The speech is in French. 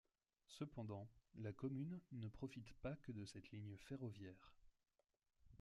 Cependant, la commune ne profite pas que de cette ligne ferroviaire.